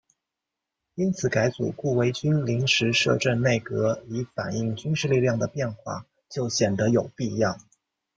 因此改组顾维钧临时摄政内阁以反映军事力量的变化就显得有必要。